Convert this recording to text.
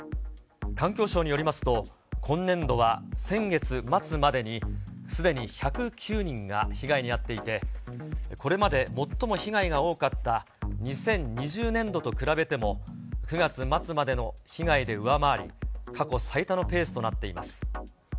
環境省によりますと、今年度は先月末までに、すでに１０９人が被害に遭っていて、これまで最も被害が多かった２０２０年度と比べても、９月末までの被害で上回り、過去最多のペースとなっています。